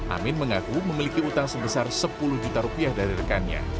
amin mengaku memiliki utang sebesar sepuluh juta rupiah dari rekannya